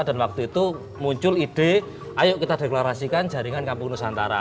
dan waktu itu muncul ide ayo kita deklarasikan jaringan kampung nusantara